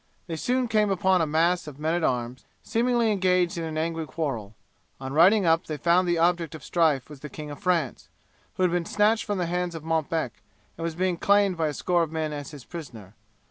They soon came upon a mass of men at arms, seemingly engaged in an angry quarrel. On riding up they found that the object of strife was the King of France, who had been snatched from the hands of Montbec, and was being claimed by a score of men as his prisoner.